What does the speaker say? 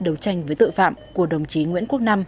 đấu tranh với tội phạm của đồng chí nguyễn quốc nam